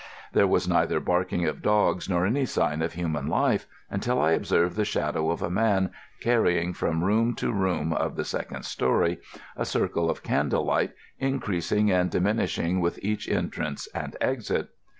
There was neither barking of dogs nor any sign of human life until I observed the shadow of a man carrying from room to room of the second story a circle of candlelight increasing and diminishing with each entrance and exit.